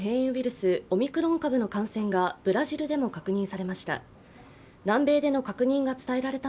スオミクロン株の感染がブラジルでも確認されました。